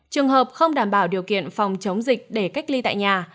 trường hợp không đảm bảo điều kiện phòng chống dịch để cách ly tại nhà